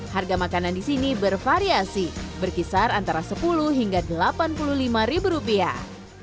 harga makanan di sini bervariasi berkisar antara sepuluh hingga delapan puluh lima ribu rupiah